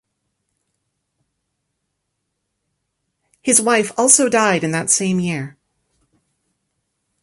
His wife also died in that same year.